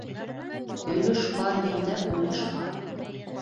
Өлөш бар ерҙә үлеш бар.